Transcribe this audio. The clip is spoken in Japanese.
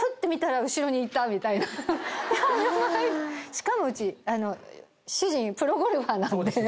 しかもうち主人プロゴルファーなんで。